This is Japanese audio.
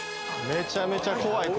めちゃめちゃ怖い